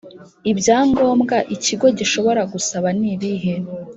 ibya ngombwa ikigo gishobora gusaba nibihe